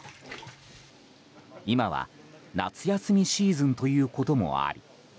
今は夏休みシーズンということもあり